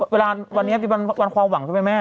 วันนี้วันความหวังใช่ไหมแม่